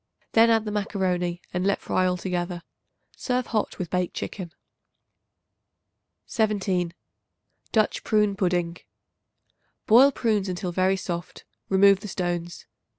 Then add the macaroni, and let fry altogether. Serve hot with baked chicken. 17. Dutch Prune Pudding. Boil prunes until very soft; remove the stones.